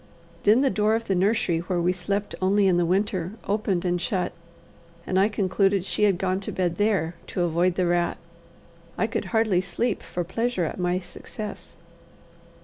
Then the door of the nursery, where we slept only in the winter, opened and shut, and I concluded she had gone to bed there to avoid the rat. I could hardly sleep for pleasure at my success.